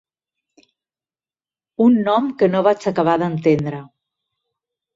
Un nom que no vaig acabar d'entendre.